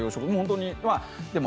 でも。